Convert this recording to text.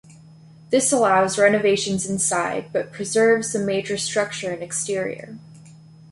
This allows renovations inside, but preserves the major structure and exterior.